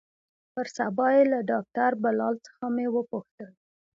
پر سبا يې له ډاکتر بلال څخه مې وپوښتل.